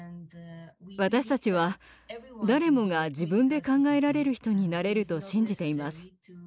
私たちは誰もが自分で考えられる人になれると信じています。